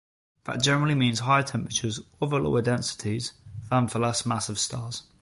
That generally means higher temperatures, although lower densities, than for less massive stars.